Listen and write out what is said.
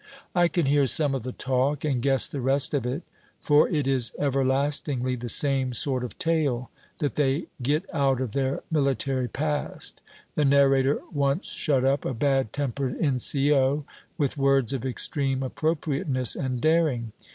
I can hear some of the talk and guess the rest of it. For it is everlastingly the same sort of tale that they get out of their military past; the narrator once shut up a bad tempered N.C.O. with words of extreme appropriateness and daring.